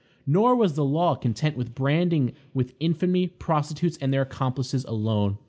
Nor was the law content with branding with infamy prostitutes and their accomplices alone.